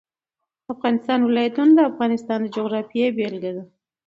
د افغانستان ولايتونه د افغانستان د جغرافیې بېلګه ده.